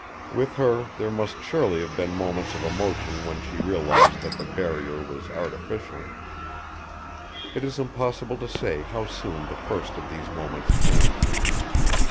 With her there must surely have been moments of emotion when she realised that the barrier was artificial. It is impossible to say how soon the first of these moments came.